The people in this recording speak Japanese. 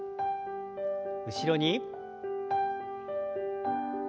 後ろに。